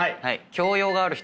教養がある人。